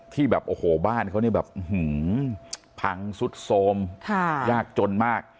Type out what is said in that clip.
ที่แบบโอ้โหบ้านเขาเนี่ยแบบพังสุดโทรมยากจนมาก